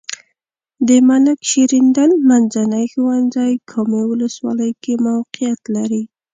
د ملک شیریندل منځنی ښونځی کامې ولسوالۍ کې موقعیت لري.